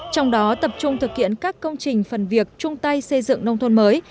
trong đó tập trung thực hiện các công trình phần việc chung tay xây dựng nông thôn mới